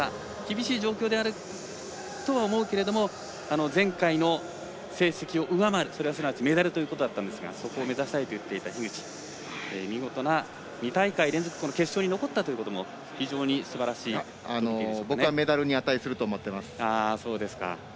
厳しい状況であるとは思うけど前回の成績を上回るメダルということだったんですがそこを目指したいと言っていた樋口、見事な２大会連続決勝に残ったという僕はメダルに値すると思っています。